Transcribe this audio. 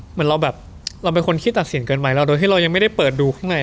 เหมือนเราแบบเราเป็นคนขี้ตัดสินเกินไว้แล้วโดยที่เรายังไม่ได้เปิดดูข้างใน